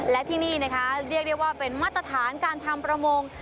และที่นี่นะคะเรียกได้ว่าเป็นมาตรฐานการทำประมง